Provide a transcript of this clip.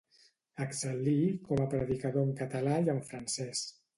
Excel·lí com a predicador en català i en francès.